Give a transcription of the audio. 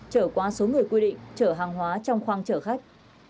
trở qua số người quy định chở hàng hóa trong khoang chở khách